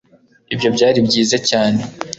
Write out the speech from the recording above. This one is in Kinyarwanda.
ibyo byari byiza cyane